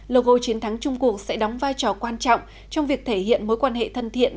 logo chiến thắng chung cuộc sẽ đóng vai trò quan trọng trong việc thể hiện mối quan hệ thân thiện